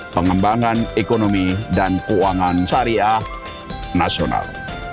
pengembangan ekonomi dan keuangan syariah nasional